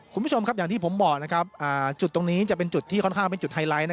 คุณผู้ชมครับอย่างที่ผมบอกจุดตรงนี้จะเป็นจุดที่ค่อนข้างเป็นจุดไฮไลท์